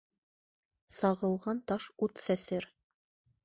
Сағылған таш ут сәсер.